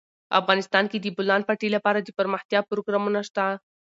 افغانستان کې د د بولان پټي لپاره دپرمختیا پروګرامونه شته.